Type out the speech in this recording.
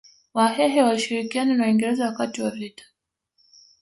Wahehe walishirikiana na Waingereza wakati wa vita